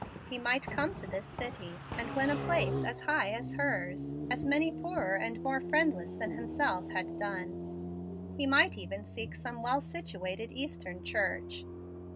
He might come to this city, and win a place as high as hers, as many poorer and more friendless than himself had done. He might even seek some well situated Eastern church.